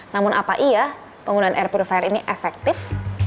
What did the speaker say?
namun apa iya penggunaan air purifier ini efektif